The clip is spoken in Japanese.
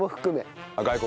外国？